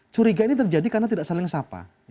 curiga ini terjadi karena tidak saling sapa